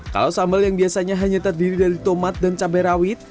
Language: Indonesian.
kalau sambal yang biasanya hanya terdiri dari tomat dan cabai rawit